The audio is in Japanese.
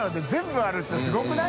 すごくない？